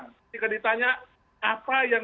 ketika ditanya apa yang